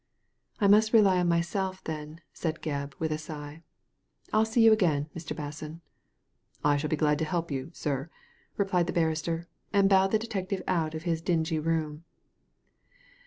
" I must rely on myself, then," said Gebb, with a sigh. " I'll see you again, Mr. Basson." •*I shall be glad to help you, sir," replied the barrister, and bowed the detective out of his dingy room.